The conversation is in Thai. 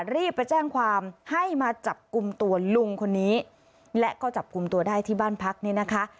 รีบไปแจ้งความให้มาจับกลุ่มตัวลุงคนนี้และก็จับกลุ่มตัวได้ที่บ้านพักเนี่ยนะคะ